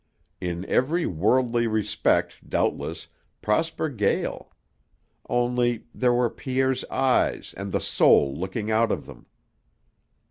In every worldly respect, doubtless, Prosper Gael. Only there were Pierre's eyes and the soul looking out of them.